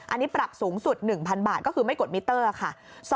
อันนี้ปรับสูงสุด๑๐๐๐บาทก็คือไม่กดมิเตอร์ค่ะ